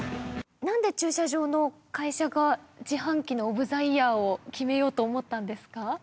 なんで駐車場の会社が自販機のオブ・ザ・イヤーを決めようと思ったんですか？